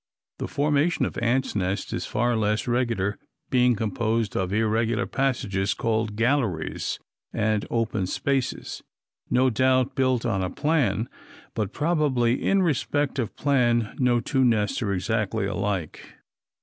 The formation of ants' nests is far less regular, being composed of irregular passages, called galleries, and open spaces, no doubt built on a plan, but probably in respect of plan no two nests are exactly alike.